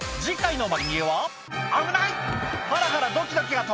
危ない！